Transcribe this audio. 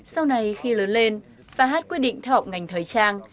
sau này khi lớn lên fahad quyết định theo hộp ngành thời trang